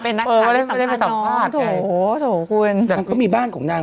เป็นนักการณ์ไม่ได้ไปสัมภาษณ์โถโถคุณนางก็มีบ้านของนาง